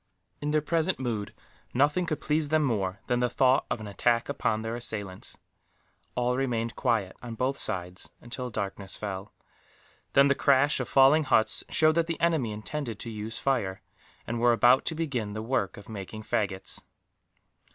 In their present mood, nothing could please them more than the thought of an attack upon their assailants. All remained quiet, on both sides, until darkness fell; then the crash of falling huts showed that the enemy intended to use fire, and were about to begin the work of making faggots.